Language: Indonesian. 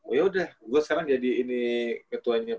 oh ya udah gue sekarang jadi ini ketuanya